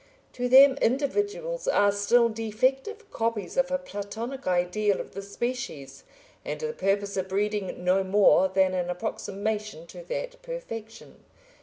To them individuals are still defective copies of a Platonic ideal of the species, and the purpose of breeding no more than an approximation to that perfection.